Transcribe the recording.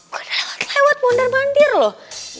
gue udah lewat lewat mondar mandir loh